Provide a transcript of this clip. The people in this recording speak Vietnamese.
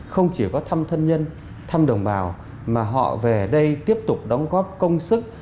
không chỉ có thăm thân nhân thăm đồng bào mà họ về đây tiếp tục đóng góp công sức